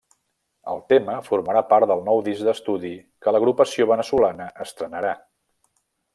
El tema formarà part del nou disc d'estudi que l'agrupació veneçolana estrenarà.